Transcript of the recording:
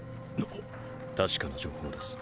確かな情報です。